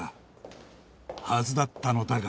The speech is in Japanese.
はずだったのだが